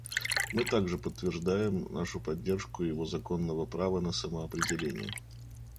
Мы также подтверждаем нашу поддержку его законного права на самоопределение.